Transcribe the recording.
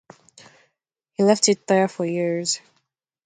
He left it there for years.